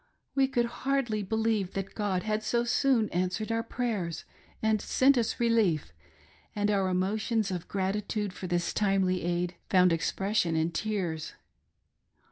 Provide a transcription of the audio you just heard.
We could hardly believe that God had so soon answered our prayers and sent us relief, and our emotions of gratitude for this timely aid, found expression in tears.